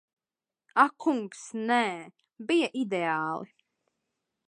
Ak kungs, nē. Bija ideāli.